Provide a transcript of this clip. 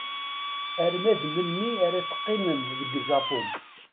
Arma d melmi ara teqqimem deg Japun?